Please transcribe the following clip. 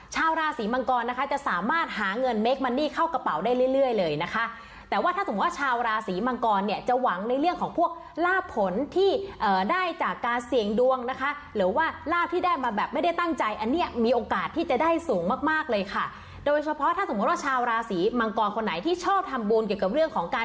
ชาวราศีมังกรนะคะจะสามารถหาเงินเคมันนี่เข้ากระเป๋าได้เรื่อยเรื่อยเลยนะคะแต่ว่าถ้าสมมุติว่าชาวราศีมังกรเนี่ยจะหวังในเรื่องของพวกลาบผลที่ได้จากการเสี่ยงดวงนะคะหรือว่าลาบที่ได้มาแบบไม่ได้ตั้งใจอันนี้มีโอกาสที่จะได้สูงมากมากเลยค่ะโดยเฉพาะถ้าสมมุติว่าชาวราศีมังกรคนไหนที่ชอบทำบุญเกี่ยวกับเรื่องของการ